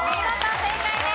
正解です。